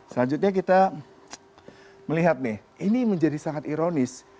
selanjutnya kita melihat nih ini menjadi sangat ironis